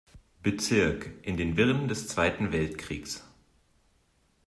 Bezirk, in den Wirren des Zweiten Weltkrieges.